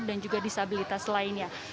dan juga disabilitas lainnya